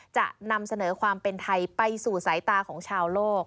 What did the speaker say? จะนำเสนอความเป็นไทยไปสู่สายตาของชาวโลก